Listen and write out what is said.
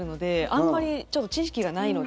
あんまりちょっと知識がないので。